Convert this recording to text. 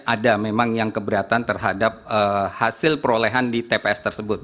ada memang yang keberatan terhadap hasil perolehan di tps tersebut